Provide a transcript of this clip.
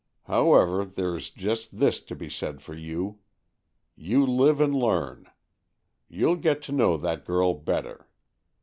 However, there is just this to be said for you. You live and learn. Y'ou'll get to know that girl better.